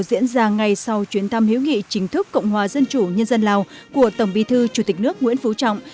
diễn ra ngay sau chuyến thăm hiếu nghị chính thức cộng hòa dân chủ nhân dân lào của tổng bí thư chủ tịch nước nguyễn phú trọng